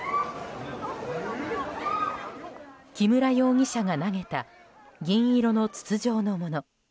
木村容疑者が投げた銀色の筒状のもの。